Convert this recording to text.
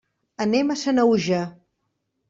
Anem a Sanaüja.